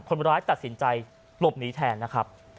คนร้ายตัดสินใจหลบหนีแทนนะครับ